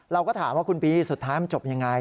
เราก็ถามว่าคุณบีสุดท้ายมันจบยังไง